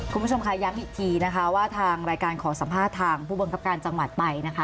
คุณผู้ชมค่ะย้ำอีกทีนะคะว่าทางรายการขอสัมภาษณ์ทางผู้บังคับการจังหวัดไปนะคะ